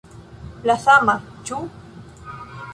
La sama, ĉu?